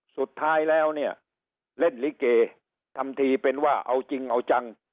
สุดท้ายแล้วเนี่ยเล่นลิเกทำทีเป็นว่าเอาจริงเอาจัง